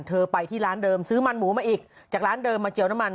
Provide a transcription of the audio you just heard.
ไปที่ร้านเดิมซื้อมันหมูมาอีกจากร้านเดิมมาเจียวน้ำมัน